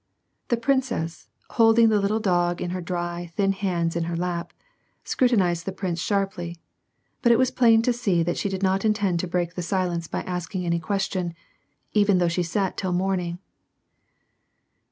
The princess, holding the little dog in her dry, thin hands in her lap, scrutinized the prince sharply, but it was plain to see that she did not intend to break the silence by asking any question, even though she sat till morning.